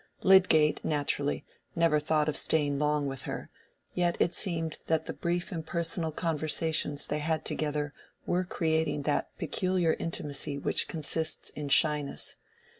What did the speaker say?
Lydgate, naturally, never thought of staying long with her, yet it seemed that the brief impersonal conversations they had together were creating that peculiar intimacy which consists in shyness.